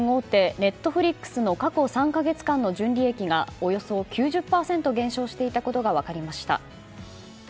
Ｎｅｔｆｌｉｘの過去３か月間の純利益がおよそ９０％減少していたことが分かりました。